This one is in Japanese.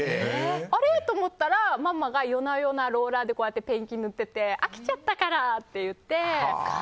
あれ？って思ったらママが夜な夜なローラーでペンキ塗ってて飽きちゃったからって言って。